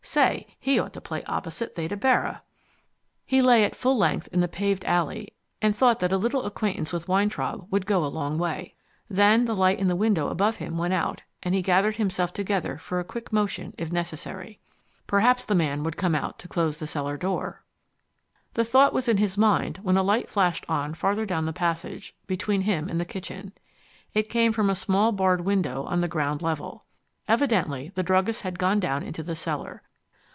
Say, he ought to play opposite Theda Bara." He lay at full length in the paved alley and thought that a little acquaintance with Weintraub would go a long way. Then the light in the window above him went out, and he gathered himself together for quick motion if necessary. Perhaps the man would come out to close the cellar door The thought was in his mind when a light flashed on farther down the passage, between him and the kitchen. It came from a small barred window on the ground level. Evidently the druggist had gone down into the cellar.